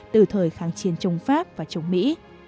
từ thời kháng chiến chống pháp và chống mỹ